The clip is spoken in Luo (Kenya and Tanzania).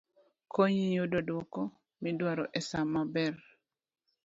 konyi yudo dwoko midwaro e sa maber